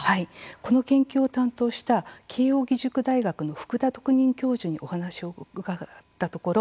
この研究を担当した慶應義塾大学の福田特任教授にお話を伺ったところ